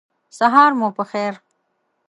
سهار مو په خیر !